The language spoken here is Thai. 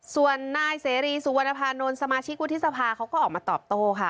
ส่วนนายเสรีสุวรรณภานนท์สมาชิกวุฒิสภาเขาก็ออกมาตอบโต้ค่ะ